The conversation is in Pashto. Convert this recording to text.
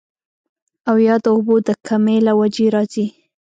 او يا د اوبو د کمۍ له وجې راځي